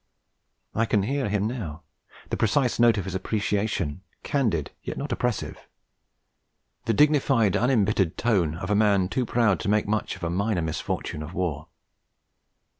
I can hear him now: the precise note of his appreciation, candid yet not oppressive: the dignified, unembittered tone of a man too proud to make much of a minor misfortune of war.